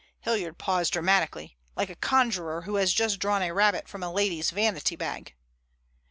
Hilliard paused dramatically, like a conjurer who has just drawn a rabbit from a lady's vanity bag.